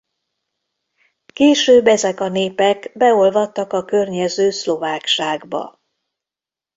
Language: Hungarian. Később ezek a népek beolvadtak a környező szlovákságba.